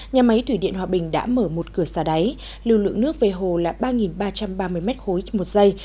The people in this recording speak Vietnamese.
nhà máy thủy điện hòa bình đã mở một cửa xả đáy lưu lượng nước về hồ là ba ba trăm ba mươi m ba một giây